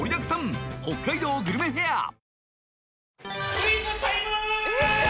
クイズタイム！